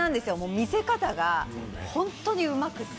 見せ方が本当にうまくて。